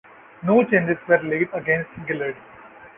No charges were laid against Gillard.